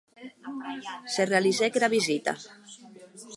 Se realizèc era visita.